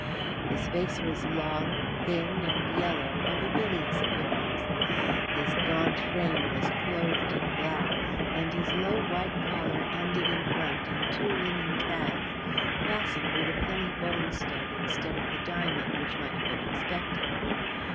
His face was long, thin and yellow, of a bilious appearance. His gaunt frame was clothed in black, and his low white collar ended in front in two linen tags, fastened with a penny bone stud instead of the diamond which might have been expected.